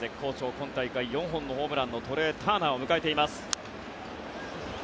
今大会４本のホームランのトレー・ターナーを迎えています。